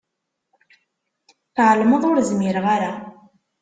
Tɛelmeḍ ur zmireɣ ara.